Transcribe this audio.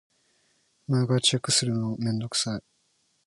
毎回チェックするのめんどくさい。